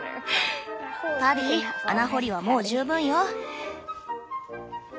パディ穴掘りはもう十分よ。